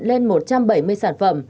lên một trăm bảy mươi sản phẩm